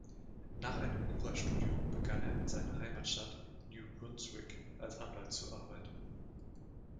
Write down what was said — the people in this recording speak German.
Nach einem Jurastudium begann er in seiner Heimatstadt New Brunswick als Anwalt zu arbeiten.